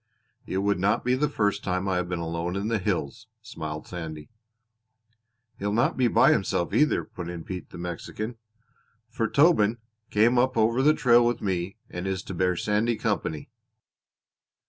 "It would not be the first time I have been alone in the hills," smiled Sandy. "He'll not be by himself either," put in Pete, the Mexican, "for Tobin came up over the trail with me and is to bear Sandy company."